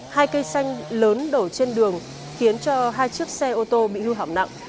hai cây xanh lớn đổ trên đường khiến cho hai chiếc xe ô tô bị hư hỏng nặng